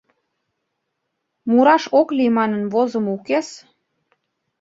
«Мураш ок лий» манын возымо укес...